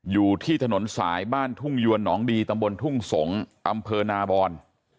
อยู่ที่ถนนสายบ้านทุ่งยวนหนองดีตำบลทุ่งสงศ์อำเภอนาบอน